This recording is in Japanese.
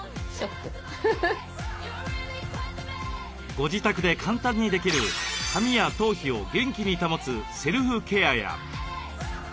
ご自宅で簡単にできる髪や頭皮を元気に保つセルフケアや。